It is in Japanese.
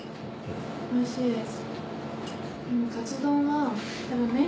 おいしいです。